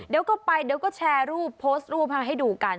เดี๋ยวก็ไปเดี๋ยวก็แชร์รูปโพสต์รูปให้ดูกัน